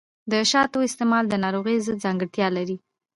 د شاتو استعمال د ناروغیو ضد ځانګړتیا لري.